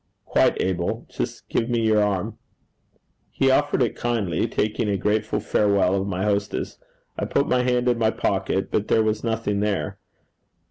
'Quite able. Just give me your arm.' He offered it kindly. Taking a grateful farewell of my hostess, I put my hand in my pocket, but there was nothing there.